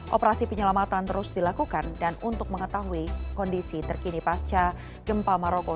operasi penyelamatan terus dilakukan dan untuk mengetahui kondisi terkini pasca gempa maroko